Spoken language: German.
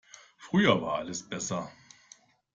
Früher war alles besser.